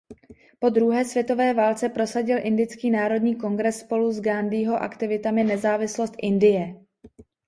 Po druhé světové válce prosadil Indický národní kongres spolu s Gándhího aktivitami nezávislost Indie.